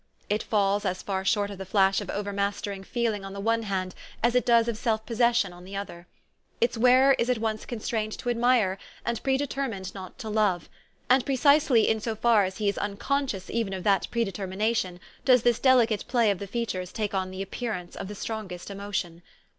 It falls as far short of the flash of over mastering feeling on the one hand as it does of self possession on the other. Its wearer is at THE STORY OF AVIS. 87 once constrained to admire, and predetermined not to love ; and precisely in so far as he is unconscious even of that predetermination does this delicate play of the features take on the appearance of the strongest emotion.